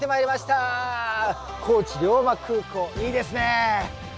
高知龍馬空港いいですね！